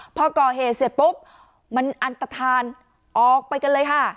พอก่อเหตุเสร็จปุ๊บมันอันตฐานออกไปกันเลยค่ะ